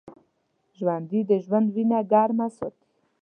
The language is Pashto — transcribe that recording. ژوندي د ژوند وینه ګرمه ساتي